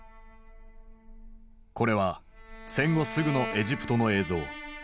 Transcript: これは戦後すぐのエジプトの映像。